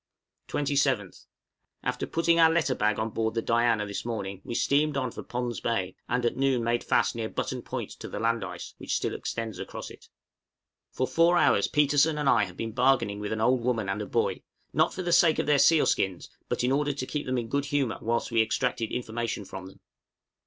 {ENTER POND'S BAY.} 27th. After putting our letter bag on board the 'Diana' this morning we steamed on for Pond's Bay, and at noon made fast near Button Point to the land ice, which still extends across it. {COMMUNICATE WITH ESQUIMAUX.} For four hours Petersen and I have been bargaining with an old woman and a boy, not for the sake of their seal skins, but in order to keep them in good humor whilst we extracted information from them.